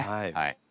はい。